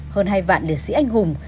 hơn hai vạn liệt sĩ anh hùng